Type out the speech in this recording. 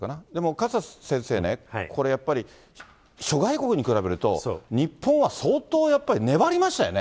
勝田先生ね、これやっぱり、諸外国に比べると日本は相当、やっぱり粘りましたよね。